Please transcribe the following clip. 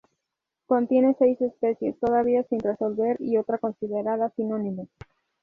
Contiene seis especies todavía sin resolver y otra considerada sinónimo.